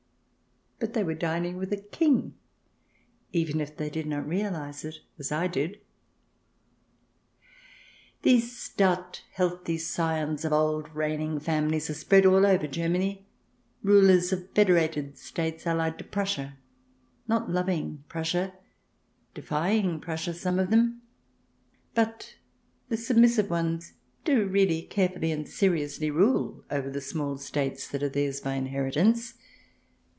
But they were dining with a King, even if they did not realize it, as I did. CH. vn] PRINCES AND PRESCRIPTIONS loi These stout, healthy scions of old reigning families are spread all over Germany, rulers of Federated States allied to Prussia, not loving Prussia — defying Prussia, some of them. But the submissive ones do really carefully and seriously rule over the small States that are theirs by inheritance.